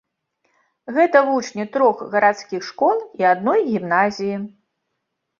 Гэта вучні трох гарадскіх школ і адной гімназіі.